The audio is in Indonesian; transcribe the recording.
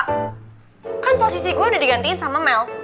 kan posisi gue udah digantiin sama mel